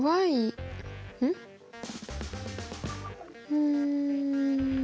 うん。